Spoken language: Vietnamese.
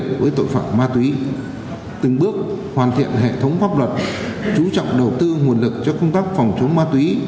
phòng chống ma túy từng bước hoàn thiện hệ thống pháp luật chú trọng đầu tư nguồn lực cho công tác phòng chống ma túy